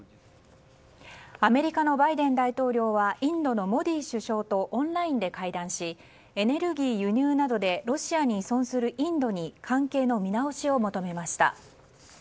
アメリカのバイデン大統領はインドのモディ首相とオンラインで会談しエネルギー輸入などでロシアに依存するインドに関係の見直しを求めました。